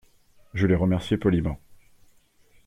Je l’ai remercié poliment.